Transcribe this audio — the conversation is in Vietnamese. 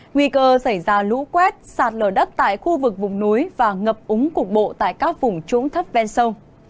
nguy cơ xảy ra lũ quét sạt lở đất tại khu vực vùng núi và ngập úng cục bộ tại các vùng trũng thấp ven sông